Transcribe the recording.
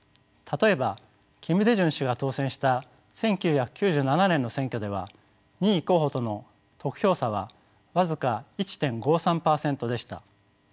例えばキム・デジュン氏が当選した１９９７年の選挙では２位候補との得票差は僅か１．５３％でした。